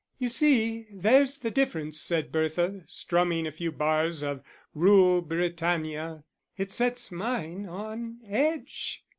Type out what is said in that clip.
"You see, there's the difference," said Bertha, strumming a few bars of Rule Britannia, "it sets mine on edge."